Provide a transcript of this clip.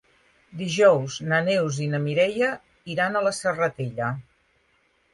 Dijous na Neus i na Mireia iran a la Serratella.